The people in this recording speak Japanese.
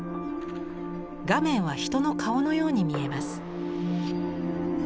画面は人の顔のように見えます。